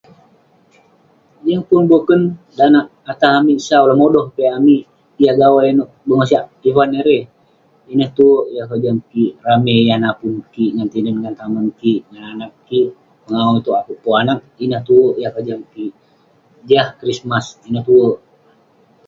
Yeng pun boken, dan neh atah amik sau, lengodoh piak amik..yah gawai nouk bengosak ivan erey, ineh tuerk yah kojam kik..ramey yah napun kik ngan tinen ngan tamen kik..ngan anag kik..pengawu itouk, akouk pun anag..ineh tuerk yah kojam kik..jah krismas ineh tuerk..